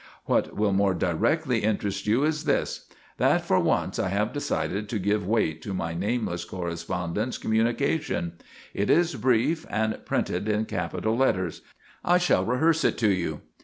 What will more directly interest you is this: that for once I have decided to give weight to my nameless correspondent's communication. It is brief, and printed in capital letters. I shall rehearse it to you."